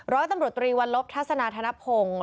ร้อยตำรวจตรีวันลบทัศนาธนพงศ์